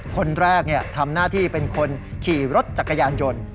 คนแรกทำหน้าที่เป็นคนขี่รถจักรยานยนต์